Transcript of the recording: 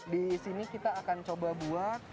disini kita akan coba buat